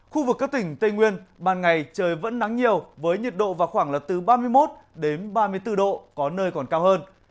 khu vực các tỉnh tây nguyên ban ngày trời vẫn nắng nhiều với nhiệt độ vào khoảng là từ ba mươi một đến ba mươi bốn độ có nơi còn cao hơn